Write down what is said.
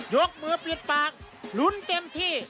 ยกมือปิดปากลุ้นเต็มที่